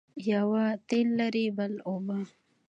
یوه تېل لري بل اوبه.